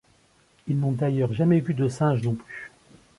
Ils n'ont d'ailleurs jamais vu de singe non plus.